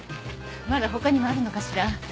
まだ他にもあるのかしら？